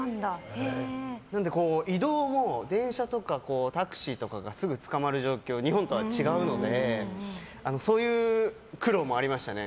なので、移動も電車とかタクシーとかがすぐつかまる状況は日本とは違うのでそういう苦労がありましたね。